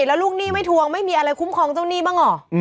แล้วลูกหนี้ไม่ทวงไม่มีอะไรคุ้มครองเจ้าหนี้บ้างเหรอ